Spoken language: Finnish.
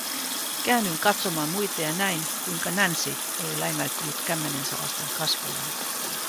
Käännyin katsomaan muita ja näin, kuinka Nancy oli läimäyttänyt kämmenensä vasten kasvojaan.